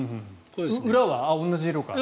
裏は同じ色か。